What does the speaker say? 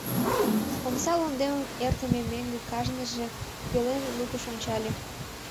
Омса лондемым эртыме мӧҥгӧ кажныже пӧлем лукыш ончале.